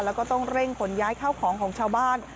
แล้วก็ต้องเร่งขนย้ายเข้าของของชาวบ้าน